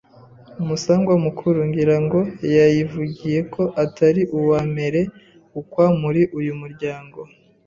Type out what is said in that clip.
Umusangwa mukuru: Ngira ngo wayivugiye ko atari uwa mere ukwa muri uyu muryango